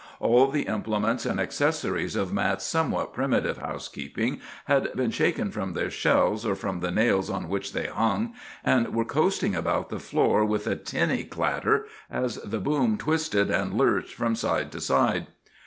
All the implements and accessories of Mat's somewhat primitive housekeeping had been shaken from their shelves or from the nails on which they hung, and were coasting about the floor with a tinny clatter, as the boom twisted and lurched from side to side.